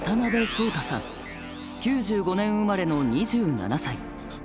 ９５年生まれの２７歳。